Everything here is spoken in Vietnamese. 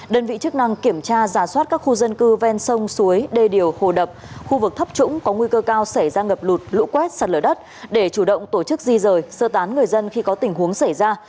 đơn vị chức năng kiểm tra giả soát các khu dân cư ven sông suối đê điều hồ đập khu vực thấp trũng có nguy cơ cao xảy ra ngập lụt lũ quét sạt lở đất để chủ động tổ chức di rời sơ tán người dân khi có tình huống xảy ra